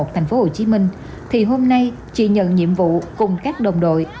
thành phố hồ chí minh thì hôm nay chị nhận nhiệm vụ cùng các đồng đội